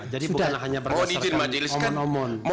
jadi bukan hanya berdasarkan omon omon